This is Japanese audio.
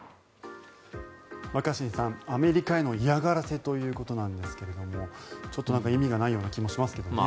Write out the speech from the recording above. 若新さん、アメリカへの嫌がらせということですがちょっと意味がないような気もしますけどね。